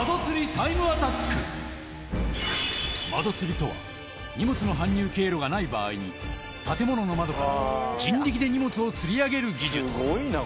窓吊りとは荷物の搬入経路がない場合に建物の窓から人力で荷物を吊り上げる技術